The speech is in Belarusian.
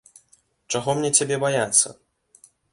Чаго мне цябе баяцца?